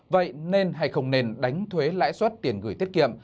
vậy nên hay không nên đánh thuế lãi suất tiền gửi tiết kiệm